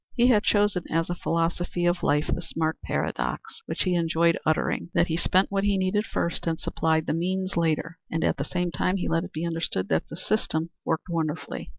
He had chosen as a philosophy of life the smart paradox, which he enjoyed uttering, that he spent what he needed first and supplied the means later; and at the same time he let it be understood that the system worked wonderfully.